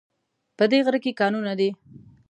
په دی غره کې کانونه دي